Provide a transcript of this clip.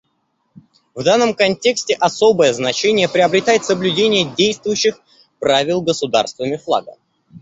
В данном контексте особое значение приобретает соблюдение действующих правил государствами флага.